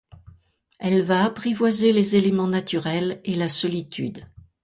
Elle va apprivoiser les éléments naturels et la solitude.